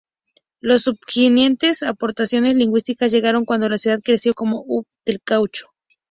Las subsiguientes aportaciones lingüísticas llegaron cuando la ciudad creció como "hub" del caucho.